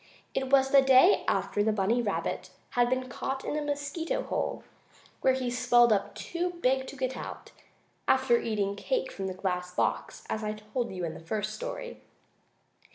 It was the day after the bunny rabbit had been caught in the mosquito hole, where he swelled up too big to get out, after eating cake from the glass box, as I told you in the first story.